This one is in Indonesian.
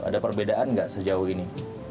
ada perbedaan nggak sejauh ini